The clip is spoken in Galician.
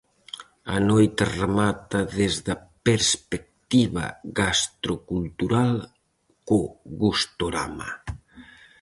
A noite remata desde a perspectiva gastrocultural co Gustorama.